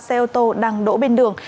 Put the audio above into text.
xe ô tô đang đỗ bên đường